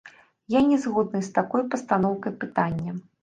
Я не згодны з такой пастаноўкай пытання.